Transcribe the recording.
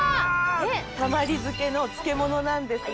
たまり漬の漬物なんですが。